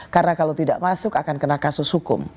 karena kalau tidak masuk akan kena kasus hukum